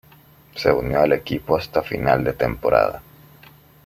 Se unió al equipo hasta final de temporada.